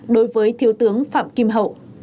đối với thiếu tướng phạm kim hậu